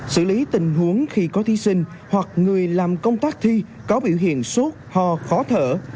xử lý tình huống khi có thí sinh hoặc người làm công tác thi có biểu hiện sốt ho khó thở